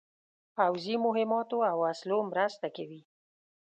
پوځي مهماتو او وسلو مرسته کوي.